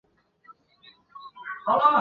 兄弟大内隆弘。